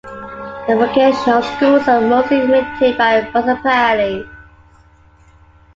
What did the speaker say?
The vocational schools are mostly maintained by municipalities.